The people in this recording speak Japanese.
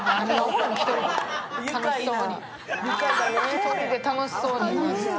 １人で楽しそうに。